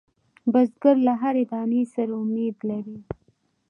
بزګر له هر دانې سره امید لري